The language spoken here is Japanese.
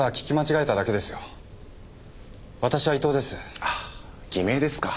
ああ偽名ですか。